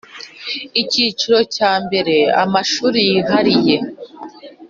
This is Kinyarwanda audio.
Icyiciro cya mbere Amashuri yihariye